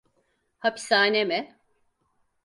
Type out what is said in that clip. Hapishane mi?